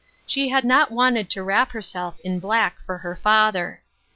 She had not wanted to wrap herself in black for her father.